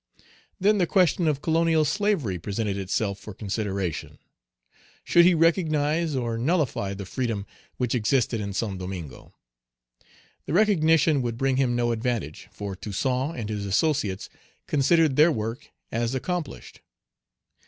Then the question of colonial slavery presented itself for consideration. Should he recognize or nullify the freedom which existed in Saint Domingo? The recognition would bring him no advantage, for Toussaint and his associates considered their work as accomplished.